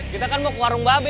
kita kan mau ke warung babe